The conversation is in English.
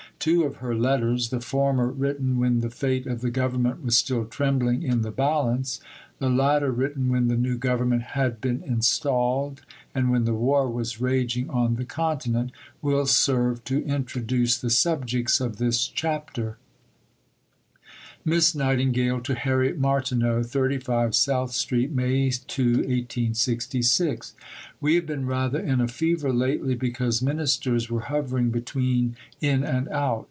Two of her letters the former written when the fate of the Government was still trembling in the balance, the latter written when the new Government had been installed and when the war was raging on the continent will serve to introduce the subjects of this chapter: (Miss Nightingale to Harriet Martineau.) 35 SOUTH STREET, May 2 .... We have been rather in a fever lately because Ministers were hovering between in and out.